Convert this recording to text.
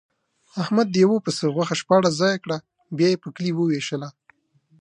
احمد د یوه پسه غوښه شپاړس ځایه کړه، بیا یې په کلي ووېشله.